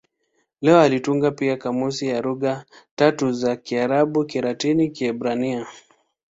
Leo alitunga pia kamusi ya lugha tatu za Kiarabu-Kilatini-Kiebrania.